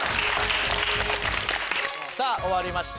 さぁ終わりました